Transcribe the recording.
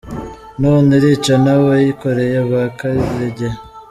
None irica n’ abayikoreye, ba Karegeya.